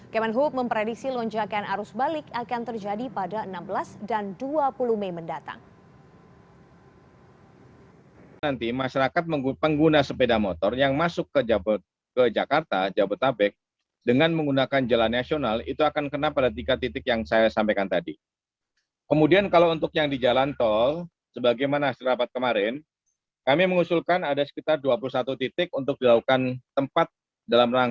kemenhub memprediksi lonjakan arus balik akan terjadi pada enam belas dan dua puluh mei mendatang